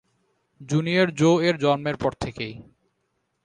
Junior Jo এর জন্মের পর থেকেই।